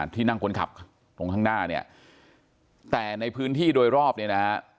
ที่นั่งคนขับตรงข้างหน้าเนี่ยแต่ในพื้นที่โดยรอบเนี่ยนะฮะ